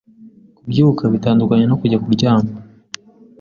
Kubyuka bitandukanye no kujya kuryama.